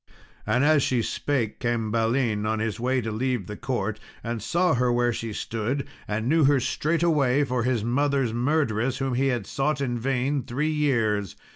And as she spake came Balin, on his way to leave the court, and saw her where she stood, and knew her straightway for his mother's murderess, whom he had sought in vain three years.